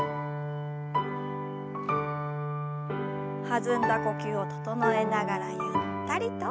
弾んだ呼吸を整えながらゆったりと。